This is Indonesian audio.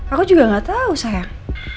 aku juga gak tahu sayang